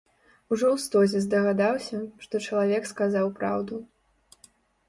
Ужо ў стозе здагадаўся, што чалавек сказаў праўду.